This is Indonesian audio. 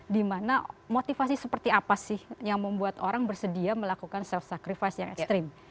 dimana motivasi seperti apa sih yang membuat orang bersedia melakukan self sacrify yang ekstrim